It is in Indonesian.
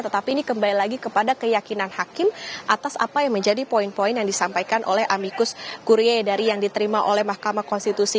tetapi ini kembali lagi kepada keyakinan hakim atas apa yang menjadi poin poin yang disampaikan oleh amikus kurya dari yang diterima oleh mahkamah konstitusi